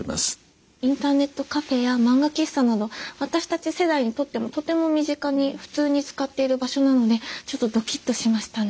インターネットカフェや漫画喫茶など私たち世代にとってもとても身近に普通に使っている場所なのでちょっとドキッとしましたね。